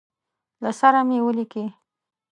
له سره مي ولیکی.